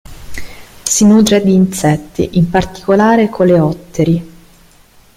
Si nutre di insetti, in particolare coleotteri.